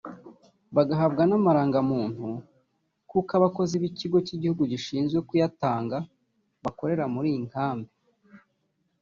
bagahabwa n’amarangamuntu kuko abakozi b’ ikigo cy’igihugu gishinzwe kuyatanga bakorera muri iyi nkambi